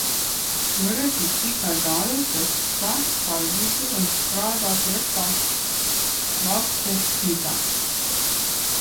Juris ir tikai gadu vecāks par Vitu, un strādā turpat Lauktehnikā.